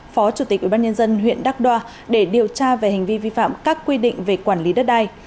phó chủ tịch ubnd huyện đắk đoa để điều tra về hành vi vi phạm các quy định về quản lý đất đai